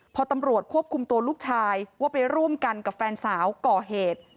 พอตำรวจควบคุมตัวลูกชายว่าไปร่วมกันกับแฟนสาวก่อเหตุ